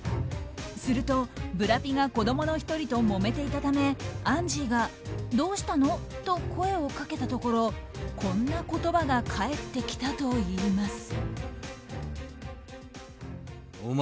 するとブラピが子供の１人ともめていたためアンジーがどうしたの？と声をかけたところこんな言葉が返ってきたといいます。